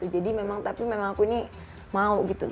jadi memang aku ini mau gitu